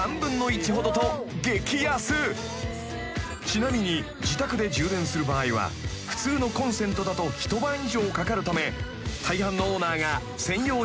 ［ちなみに自宅で充電する場合は普通のコンセントだと一晩以上かかるため大半のオーナーが専用充電器を設置］